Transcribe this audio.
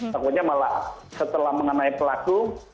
takutnya malah setelah mengenai pelaku